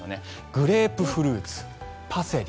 グレープフルーツ、パセリ。